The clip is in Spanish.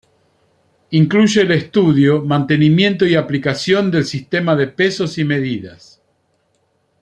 Incluye el estudio, mantenimiento y aplicación del sistema de pesos y medidas.